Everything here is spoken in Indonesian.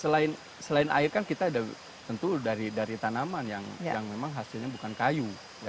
selain air kan kita ada tentu dari tanaman yang memang hasilnya bukan kayu